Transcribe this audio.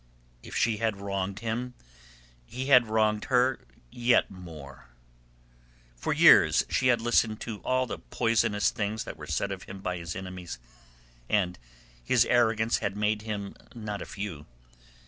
If she had wronged him, he had wronged her yet more. For years she had listened to all the poisonous things that were said of him by his enemies—and his arrogance had made him not a few.